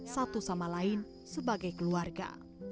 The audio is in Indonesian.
satu sama lain sebagai keluarga